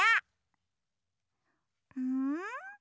うん？